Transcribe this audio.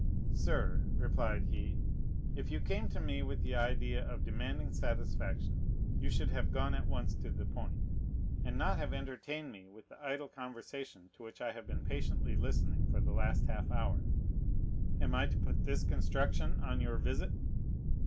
"Sir," replied he, "if you came to me with the idea of demanding satisfaction, you should have gone at once to the point, and not have entertained me with the idle conversation to which I have been patiently listening for the last half hour. Am I to put this construction on your visit?"